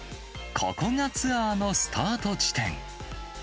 ここがツアーのスタート地点。